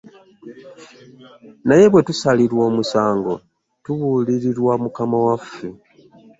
Naye bwe tusalirwa omusango, tubuulirirwa Mukama waffe.